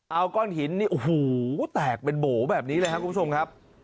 เอาก้อนหินนี่โอ้โหแตกเป็นโบ๋แบบนี้เลยครับคุณผู้ชมครับ